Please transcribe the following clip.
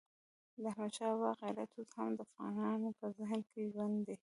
د احمدشاه بابا غیرت اوس هم د افغانانو په ذهن کې ژوندی دی.